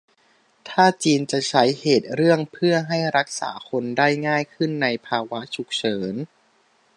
ถ้าจีนจะใช้เหตุเรื่องเพื่อให้รักษาคนได้ง่ายขึ้นในภาวะฉุกเฉิน